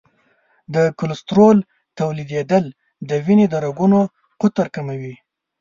د کلسترول تولیدېدل د وینې د رګونو قطر کموي.